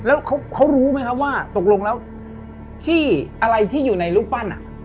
แล้วเขารู้ไหมครับว่าตกลงแล้วที่อะไรที่อยู่ในรูปปั้น